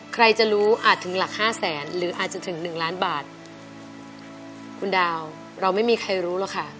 ใครจะรู้อาจถึงหลักห้าแสนหรืออาจจะถึงหนึ่งล้านบาทคุณดาวเราไม่มีใครรู้หรอกค่ะ